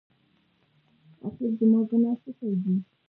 اخېر زما ګناه څه شی ده؟